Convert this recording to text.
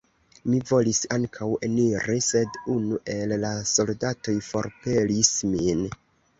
Mi volis ankaŭ eniri, sed unu el la soldatoj forpelis min.